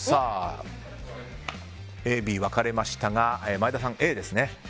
Ａ、Ｂ分かれましたが前田さん、Ａですね。